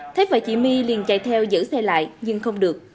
thấy vậy diễm vi liền chạy theo giữ xe lại nhưng không được